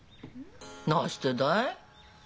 なしてだい？